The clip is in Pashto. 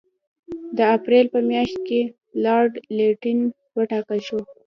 د اپرېل په میاشت کې لارډ لیټن وټاکل شو.